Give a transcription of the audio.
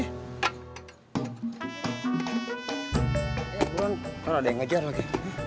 eh buruan kan ada yang ngejar lagi